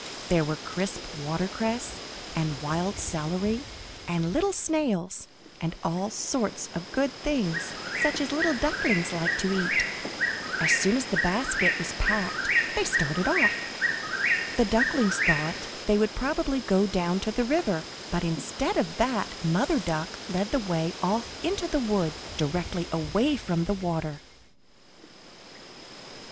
There were crisp watercress, and wild celery, and little snails, and all sorts of good things such as little ducklings like to eat. As soon as the basket was packed they started off. The ducklings thought they would probably go down to the river, but instead of that Mother Duck led the way off into the wood, directly away from the water.